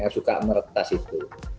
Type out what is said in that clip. yang suka meretas itu